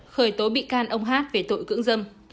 khởi tố bị can ông hát về tội cưỡng dâm